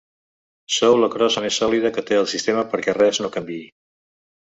Sou la crossa més sòlida que té el sistema perquè res no canviï.